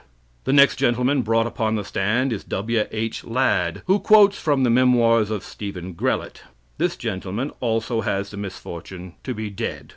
The next gentleman brought upon the stand is W.H. Ladd, who quotes from the memoirs of Stephen Grellett. This gentleman also has the misfortune to be dead.